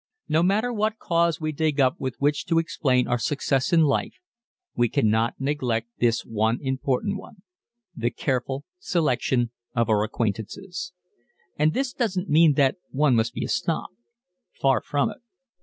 No matter what cause we dig up with which to explain our success in life we cannot neglect this most important one the careful selection of our acquaintances. And this doesn't mean that one must be a snob. Far from it.